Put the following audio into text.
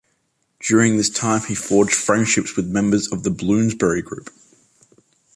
During this time he forged friendships with members of the Bloomsbury Group.